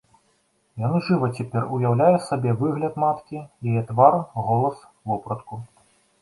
Ён жыва цяпер уяўляе сабе выгляд маткі, яе твар, голас, вопратку.